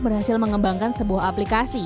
berhasil mengembangkan sebuah aplikasi